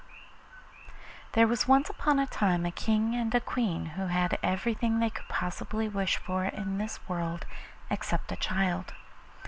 There was once upon a time a King and Queen who had everything they could possibly wish for in this world except a child.